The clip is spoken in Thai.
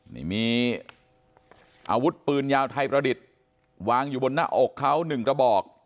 นี่มีอาวุธปืนยาวไทยประดิษฐ์วางอยู่บนหน้าอกเขา๑กระบอก